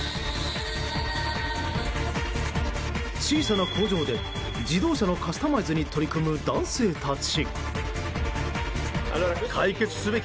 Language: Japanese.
小さな工場で自動車のカスタマイズに取り組む男性たち。